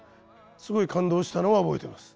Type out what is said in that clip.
すごい感動したのは覚えています。